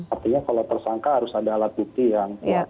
artinya kalau tersangka harus ada alat bukti yang